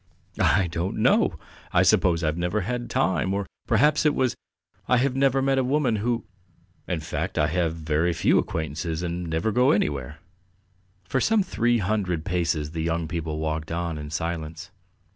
"I don't know. I suppose I've never had time, or perhaps it was I have never met women who. ... In fact, I have very few acquaintances and never go anywhere." For some three hundred paces the young people walked on in silence.